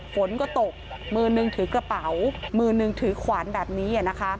ฝนก็ตกมือนึงถือกระเป๋ามือนึงถือขวานแบบนี้นะคะ